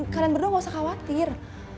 kalian berdua gak usah khawatir